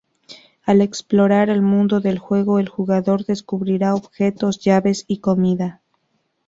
Al explorar el mundo del juego el jugador descubrirá objetos, llaves y comida.